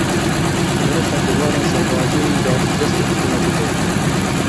Til Rifet di warên serbazî û îdarî di destê hikûmetê de ye.